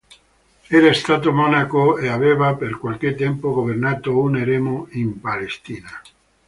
Era stato monaco e aveva per qualche tempo governato un eremo in Palestina.